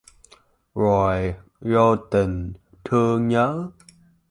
Rồi vô tình thương nhớ